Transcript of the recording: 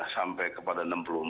sampai kepada enam puluh empat